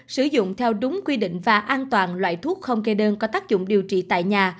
sử dụng theo đúng quy định và an toàn loại thuốc không kê đơn có tác dụng điều trị tại nhà